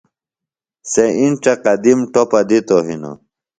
سےۡ اِنڇہ قدِم ٹوپہ دِتوۡ ہِنوۡ